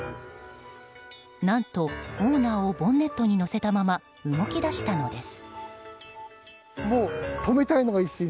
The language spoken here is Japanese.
何と、オーナーをボンネットに乗せたまま動き出したのです。